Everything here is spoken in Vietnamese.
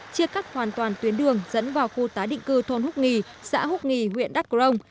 chia cắt hoàn toàn tuyến đường dẫn vào khu tá định cư thôn húc nghì xã húc nghì huyện đắc rồng